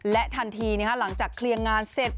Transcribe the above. และทันทีหลังจากเคลียร์งานเสร็จ